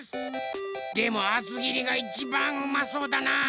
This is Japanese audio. でもあつぎりがいちばんうまそうだな。